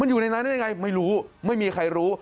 อยู่ไหนไม่รู้ไม่มีใครรู้